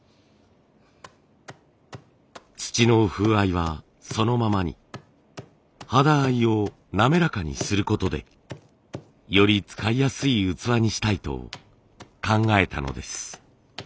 土の風合いはそのままに肌合いを滑らかにすることでより使いやすい器にしたいと考えたのです。